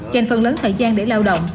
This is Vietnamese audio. dành phần lớn thời gian để lao động